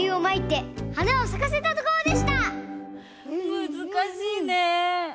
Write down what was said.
むずかしいね。